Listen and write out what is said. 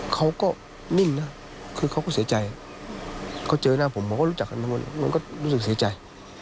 ผมว่ารู้จักแล้วรู้สึกเสียใจ